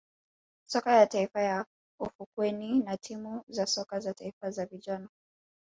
soka ya taifa ya ufukweni na timu za soka za taifa za vijana